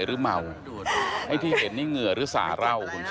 หรือเมาให้ที่เห็นนี่เหงื่อหรือสาร่าว